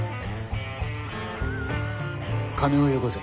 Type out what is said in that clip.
金をよこせ。